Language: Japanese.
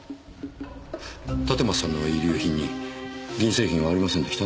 立松さんの遺留品に銀製品はありませんでしたね。